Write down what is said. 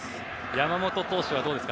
山本投手はどうですか？